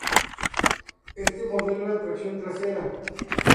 Este modelo era tracción trasera.